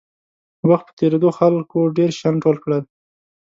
وخت په تېرېدو خلکو ډېر شیان ټول کړل.